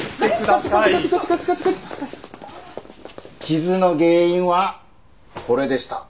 傷の原因はこれでした。